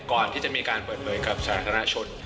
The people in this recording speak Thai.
ก่อนที่จะมีการเปิดเผยกับสาธารณชน